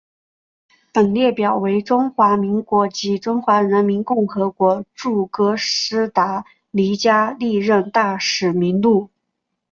本列表为中华民国及中华人民共和国驻哥斯达黎加历任大使名录。